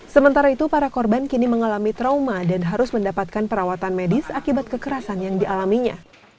sementara itu para korban kini mengalami trauma dan harus mendapatkan perawatan medis akibat kekerasan yang dialaminya